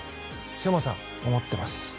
昌磨さん、思ってます。